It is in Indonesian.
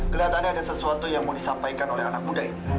kelihatannya ada sesuatu yang mau disampaikan oleh anak muda ya